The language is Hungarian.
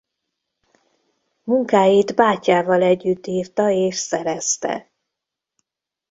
Munkáit bátyjával együtt írta és szerezte.